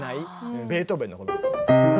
ベートーベンのこの。